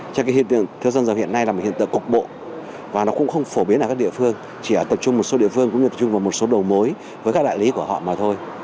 cho cái hiện tượng thưa dân giờ hiện nay là một hiện tượng cục bộ và nó cũng không phổ biến ở các địa phương chỉ tập trung một số địa phương cũng như tập trung vào một số đầu mối với các đại lý của họ mà thôi